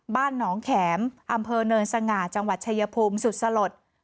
บ้านหนองแข็มอำเภอเนินสง่าจังหวัดชายภูมิสุดสลด